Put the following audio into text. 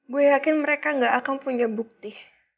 gue yakin mereka gak akan punya bukti